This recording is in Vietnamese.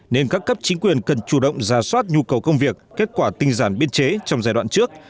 nên các cấp chính quyền cần chủ động ra soát nhu cầu công việc kết quả tinh giản biên chế trong giai đoạn trước